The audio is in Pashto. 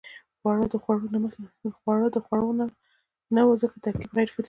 خواړه د خوړو نه وو ځکه ترکیب غیر فطري وو.